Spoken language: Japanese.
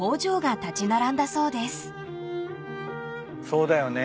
そうだよね。